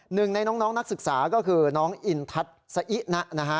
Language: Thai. หนึ่งในน้องนักศึกษาก็คือน้องอินทัศน์สะอินะนะฮะ